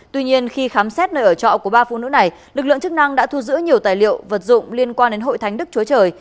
tuy nhiên khi khám xét nơi ở trọ của ba phụ nữ này lực lượng chức năng đã thu giữ nhiều tài liệu vật dụng liên quan đến hội thánh đức chúa trời